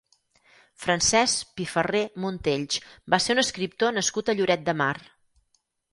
Francesc Piferrer Montells va ser un escriptor nascut a Lloret de Mar.